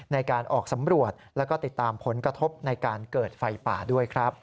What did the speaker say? ในการออกสำรวจแล้วก็ติดตามผลกระทบในการเกิดไฟป่าด้วยครับ